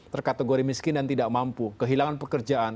terkategori miskin dan tidak mampu kehilangan pekerjaan